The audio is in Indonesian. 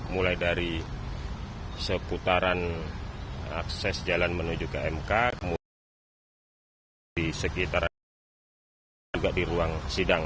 mulai dari seputaran akses jalan menuju ke mk kemudian di sekitar juga di ruang sidang